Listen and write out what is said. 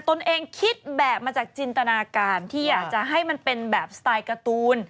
ตนเองคิดแบบมาจากจินตนาการที่อยากจะให้มันเป็นแบบสไตล์การ์ตูน